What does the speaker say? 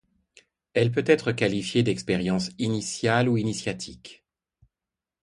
Elle peut être qualifiée d’expérience initiale ou initiatique.